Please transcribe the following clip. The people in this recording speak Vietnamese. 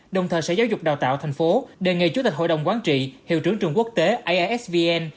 đồng thời sở giáo dục đào tạo tp hcm đề nghị chủ tịch hội đồng quán trị hiệu trưởng trường quốc tế aisvn